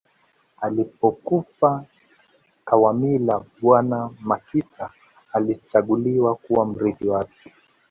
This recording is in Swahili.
Alipokufa Kawamila bwana Makita alichaguliwa kuwa mrithi wake